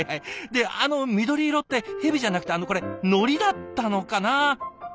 であの緑色ってヘビじゃなくてのりだったのかな？